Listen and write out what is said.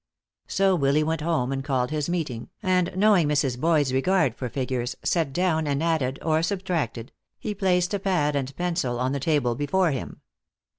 So Willy went home and called his meeting, and knowing Mrs. Boyd's regard for figures, set down and added or subtracted, he placed a pad and pencil on the table before him.